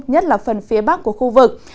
nhất là phần phía bắc của khu vực